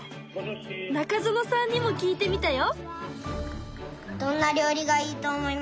中園さんにも聞いてみたよ。